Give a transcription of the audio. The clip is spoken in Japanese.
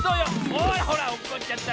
ほらほらおっこっちゃった。